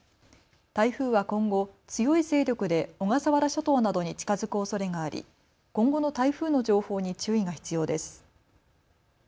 台風は今後、強い勢力で小笠原諸島などに近づくおそれがあり、今後の台風の情報に注意が必要です。